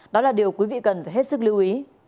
đó là điều quý vị cần phải hết sức lưu ý